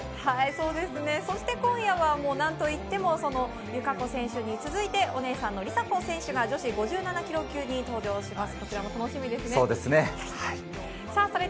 そして今夜は何といっても友香子選手に続いて、お姉さんの梨紗子選手が女子５７ｋｇ級に登場します。